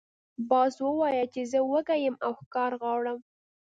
باز وویل چې زه وږی یم او ښکار غواړم.